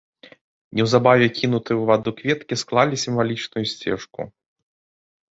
Неўзабаве кінутыя ў ваду кветкі склалі сімвалічную сцежку.